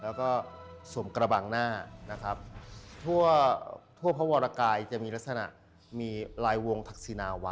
แล้วก็สวมกระบังหน้านะครับทั่วทั่วพระวรกายจะมีลักษณะมีลายวงทักษินาวะ